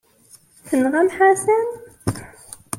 Tenɣam Ḥasan?